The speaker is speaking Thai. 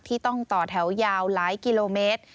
ที่ต้องต่อแถวยาวหลายกิโลเมตร